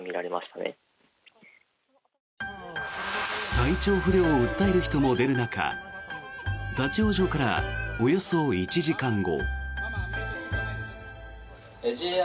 体調不良を訴える人も出る中立ち往生からおよそ１時間後。